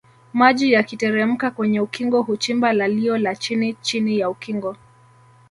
Maji yakiteremka kwenye ukingo huchimba lalio la chini Chini ya ukingo